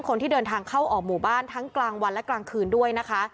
คนที่เดินทางเข้าออกหมู่บ้านทั้งกลางวันและกลางคืนด้วยนะคะ